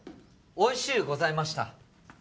美味しうございました